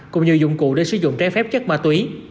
cũng như dụng cụ để sử dụng trái phép chất ma túy